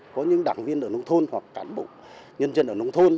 có những đảng viên ở nông thôn hoặc cán bộ nhân dân ở nông thôn